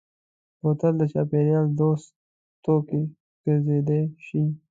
بوتل د چاپېریال دوست توکی ګرځېدای شي.